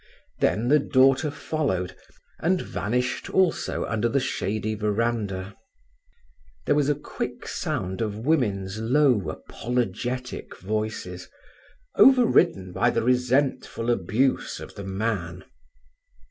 Then the daughter followed, and vanished also under the shady veranda. There was a quick sound of women's low, apologetic voices, overridden by the resentful abuse of the man.